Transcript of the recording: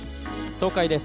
東海です。